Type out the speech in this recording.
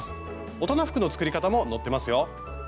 大人服の作り方も載ってますよ。